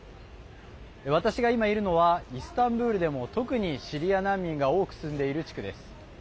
私が今いるのはイスタンブールでも特にシリア難民が多く住んでいる地区です。